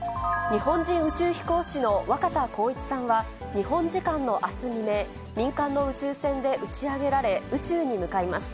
日本人宇宙飛行士の若田光一さんは、日本時間のあす未明、民間の宇宙船で打ち上げられ、宇宙に向かいます。